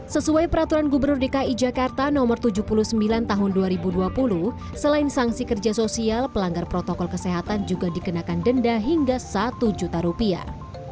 sesuai peraturan gubernur dki jakarta no tujuh puluh sembilan tahun dua ribu dua puluh selain sanksi kerja sosial pelanggar protokol kesehatan juga dikenakan denda hingga satu juta rupiah